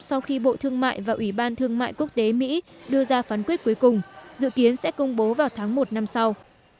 sau khi bộ thương mại và ủy ban thương mại quốc tế mỹ đưa ra phán quyết cuối cùng dự kiến sẽ công bố vào tháng một năm sau